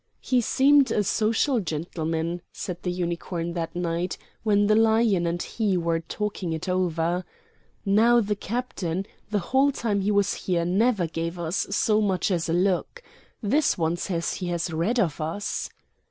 "He seemed a social gentleman," said the Unicorn, that night, when the Lion and he were talking it over. "Now the Captain, the whole time he was here, never gave us so much as a look. This one says he has read of us."